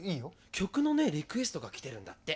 曲のねリクエストが来てるんだって。